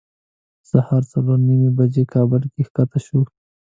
سهار څلور نیمې بجې کابل کې ښکته شوو.